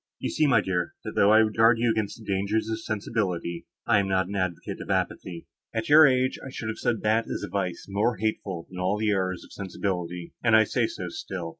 You see, my dear, that, though I would guard you against the dangers of sensibility, I am not an advocate for apathy. At your age I should have said that is a vice more hateful than all the errors of sensibility, and I say so still.